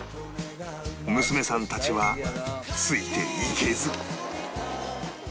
娘さんたちはついていけず